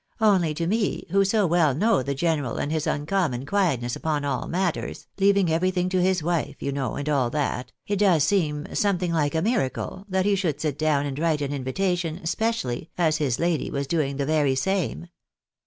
Only to me, who so well know the general and his uncommon quietness upon aU matters, leaving everything to his wife, you know, and all that, it does seem something like a miracle, that he should sit down and write an invitation, specially as his lady was doing the very same."